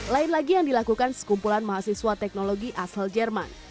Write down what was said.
lain lagi yang dilakukan sekumpulan mahasiswa teknologi asal jerman